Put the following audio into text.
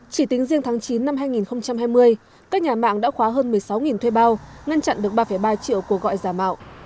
chỉ tính riêng tháng chín năm hai nghìn hai mươi các nhà mạng đã khóa hơn một mươi sáu thuê bao ngăn chặn được ba ba triệu cuộc gọi giả mạo